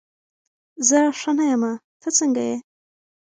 زه ښه نه یمه، ته څنګه یې؟